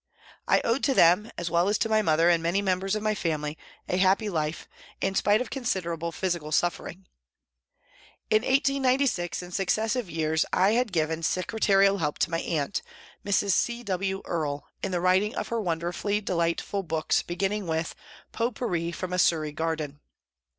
I owed to them, as well as to my mother and many members of my family, a happy life, in spite of considerable physical suffering. In 1896 and successive years I had given secre tarial help to my aunt, Mrs. C. W. Earle, in the writing of her wonderfully delightful books, begin ning with " Pot Pourri from a Surrey Garden."